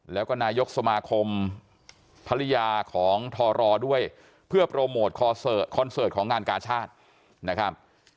แล้วก็นายกสมาคมภรรยาของทรด้วยเพื่อโปรโมทคอนเสิร์ตของงานกาชาตินะครับ